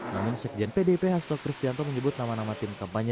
namun sekjen pdip hasto kristianto menyebut nama nama tim kampanye